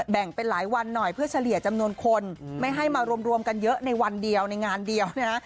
แบ่งเป็นหลายวันหน่อยเพื่อเฉลี่ยจำนวนคนไม่ให้มารวมกันเยอะในวันเดียวในงานเดียวเนี่ยนะ